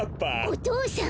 お父さん！